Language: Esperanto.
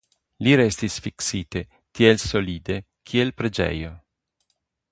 Li restis fiksite tiel solide kiel preĝejo.